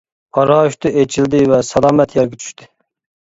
پاراشۇتى ئېچىلدى ۋە سالامەت يەرگە چۈشتى.